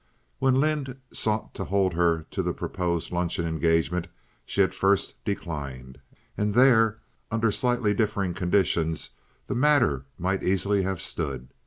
When Lynde sought to hold her to the proposed luncheon engagement she at first declined. And there, under slightly differing conditions, the matter might easily have stood.